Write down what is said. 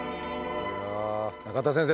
中田先生